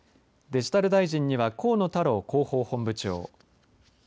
デジタル大臣には河野太郎広報本部長。